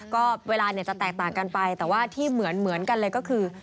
ก็เวลาเนี่ยจะแตกต่างกันไปแต่ว่าที่เหมือนกันเลยก็คือ